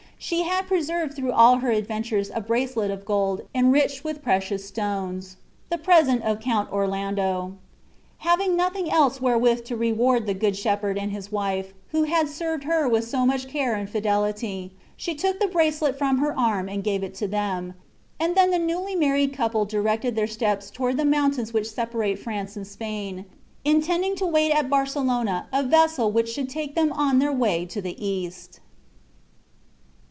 She had preserved through all her adventures a bracelet of gold enriched with precious stones, the present of the Count Orlando. Having nothing else wherewith to reward the good shepherd and his wife, who had served her with so much care and fidelity, she took the bracelet from her arm and gave it to them, and then the newly married couple directed their steps toward those mountains which separate France and Spain, intending to wait at Barcelona a vessel which should take them on their way to the East.